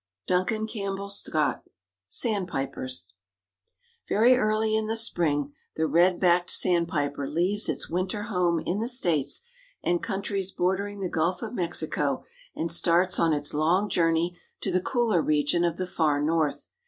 —Duncan Campbell Scott, "Sandpipers." Very early in the spring the Red backed Sandpiper leaves its winter home in the States and countries bordering the Gulf of Mexico and starts on its long journey to the cooler region of the far north.